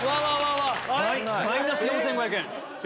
マイナス４５００円。